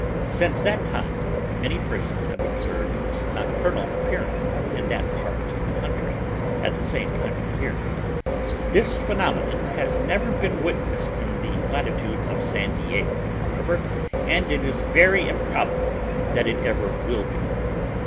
Since that time many persons have observed its nocturnal appearance in that part of the country, at the same time of the year. This phenomenon has never been witnessed in the latitude of San Diego, however, and it is very improbable that it ever will be.